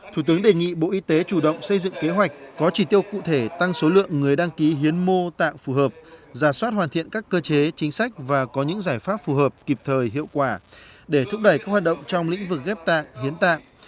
thủ tướng đề nghị bộ y tế chủ động xây dựng kế hoạch có chỉ tiêu cụ thể tăng số lượng người đăng ký hiến mô tạng phù hợp giả soát hoàn thiện các cơ chế chính sách và có những giải pháp phù hợp kịp thời hiệu quả để thúc đẩy các hoạt động trong lĩnh vực ghép tạng hiến tạng